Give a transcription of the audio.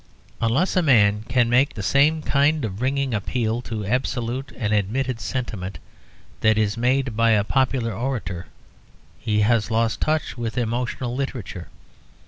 Unless a man can make the same kind of ringing appeal to absolute and admitted sentiments that is made by a popular orator, he has lost touch with emotional literature.